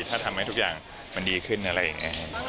ถ้าทำให้ทุกอย่างมันดีขึ้นอะไรอย่างนี้ครับ